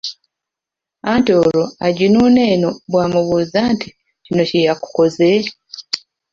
Anti olwo aginuuna eno bw’amubuuza nti, “kino kye yakukoze?"